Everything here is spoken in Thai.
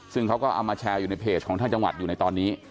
ซึ่งเขาก็เอามาแชร์อยู่ในเพจของทางจังหวัดอยู่ในตอนนี้